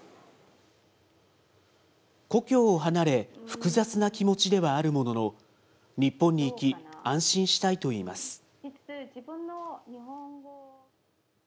故郷を離れ、複雑な気持ちではあるものの、日本に行き、安心したいといいます。